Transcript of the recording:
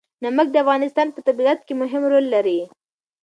نمک د افغانستان په طبیعت کې مهم رول لري.